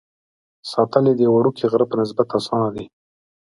ساتل یې د یوه وړوکي غره په نسبت اسانه دي.